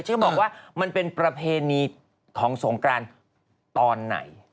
เขาบอกว่ามันเป็นประเพณีของสงกรานตอนไหน